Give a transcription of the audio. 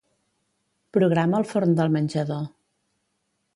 Programa el forn del menjador.